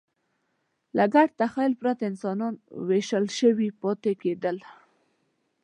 له ګډ تخیل پرته انسانان وېشل شوي پاتې کېدل.